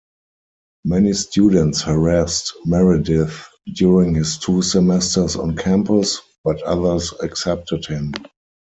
Many students harassed Meredith during his two semesters on campus, but others accepted him.